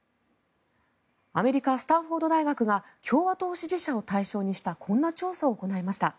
アメリカ、スタンフォード大学が共和党支持者を対象にしたこんな調査を行いました。